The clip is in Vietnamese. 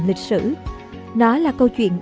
lịch sử nó là câu chuyện